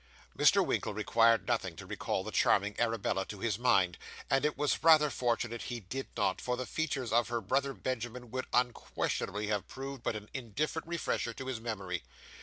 Mr. Winkle required nothing to recall the charming Arabella to his mind; and it was rather fortunate he did not, for the features of her brother Benjamin would unquestionably have proved but an indifferent refresher to his memory.